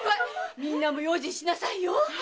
みんなも用心しなさいよ。